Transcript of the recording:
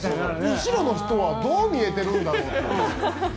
後ろの人はどう見えてるんだろうと。